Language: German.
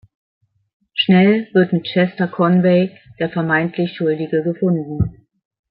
Schnell wird mit Chester Conway der vermeintlich Schuldige gefunden.